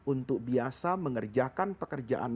untuk biasa mengerjakan pekerjaan